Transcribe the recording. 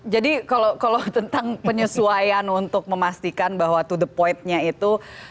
jadi kalau tentang penyesuaian untuk memastikan bahwa to the point nya itu